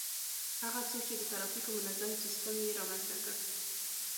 هغه څوک چي د ترافیکو منظم سیستم يې رامنځته کړ